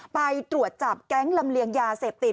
ไปตรวจจับแก๊งลำเลียงยาเสพติด